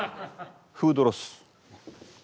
フードロス。